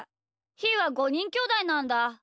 ひーは５にんきょうだいなんだ。